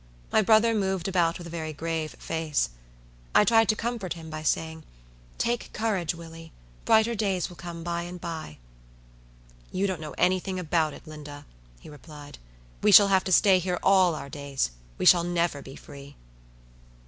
My brother moved about with a very grave face. I tried to comfort him, by saying, "Take courage, Willie; brighter days will come by and by." "You don't know any thing about it, Linda," he replied. "We shall have to stay here all our days; we shall never be free."